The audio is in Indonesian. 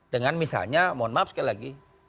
dengan misalnya mohon maaf sekali lagi